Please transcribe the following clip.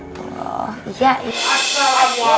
assalamualaikum warahmatullahi wabarakatuh